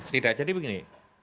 tidak jadi begini